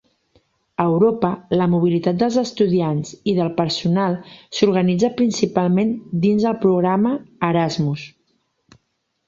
A Europa, la mobilitat dels estudiants i del personal s'organitza principalment dins el programa Erasmus.